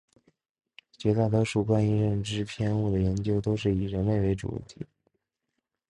绝大多数关于认知偏误的研究都是以人类为主体。